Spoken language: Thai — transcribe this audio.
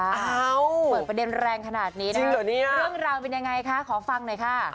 เอ้าเปิดประเด็นแรงขนาดนี้นะคะเรื่องราวเป็นยังไงคะขอฟังหน่อยค่ะ